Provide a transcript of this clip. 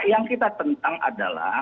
yang kita tentang adalah